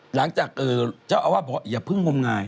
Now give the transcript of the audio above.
หลังจากเจ้าอาวาสบอกอย่าเพิ่งงมงาย